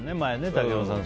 竹山さん